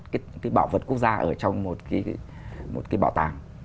cái bảo vật quốc gia ở trong một cái bảo tàng